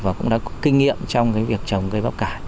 và cũng đã có kinh nghiệm trong cái việc trồng cây bắp cải